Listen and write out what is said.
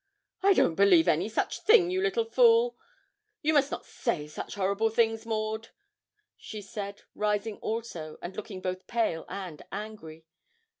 'I don't believe any such thing, you little fool; you must not say such horrible things, Maud,' she said, rising also, and looking both pale and angry.